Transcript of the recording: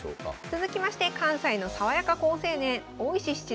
続きまして関西の爽やか好青年大石七段。